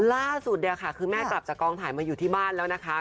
ล่าสุดเนี่ยค่ะคือแม่กลับจากกองถ่ายมาอยู่ที่บ้านแล้วนะคะ